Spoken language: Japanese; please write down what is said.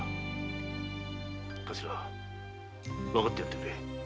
分かってやってくれ。